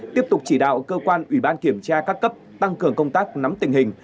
tiếp tục chỉ đạo cơ quan ủy ban kiểm tra các cấp tăng cường công tác nắm tình hình